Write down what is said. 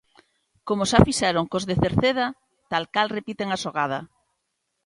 Como xa fixeron cos de Cerceda, tal cal repiten a xogada.